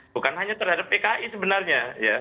bukan hanya terhadap pki sebenarnya